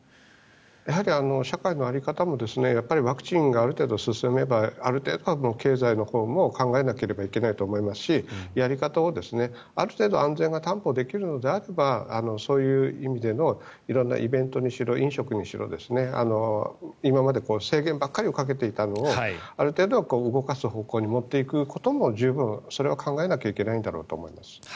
やはり社会の在り方もワクチンがある程度進めばある程度は経済のほうも考えなければいけないと思いますしやり方をある程度安全が担保できるのであればそういう意味での色んなイベントにしろ飲食にしろ今まで制限ばかりをかけていたのをある程度は動かす方向に持っていくことも十分それは考えなきゃいけないんだろうと思います。